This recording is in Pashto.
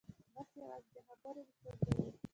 بس یوازې د خبرو مې څوک نه و